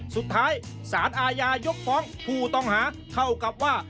สุดท้ายสารอาญายกฟ้องผู้ต้องหาเท่ากับว่า